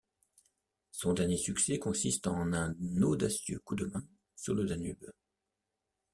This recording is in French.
Son dernier succès consiste en un audacieux coup-de-main sur le Danube.